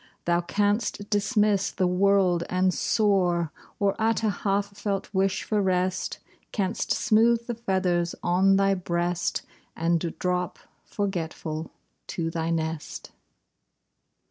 Thou canst dismiss the world and soar, Or, at a half felt wish for rest. Canst smooth the feathers on thy breast, And drop, forgetful, to thy nest.